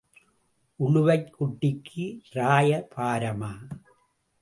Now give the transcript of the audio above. உளுவைக் குட்டிக்கு ராய பாரமா?